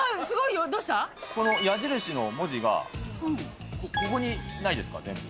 この矢印の文字が、ここにないですか、全部。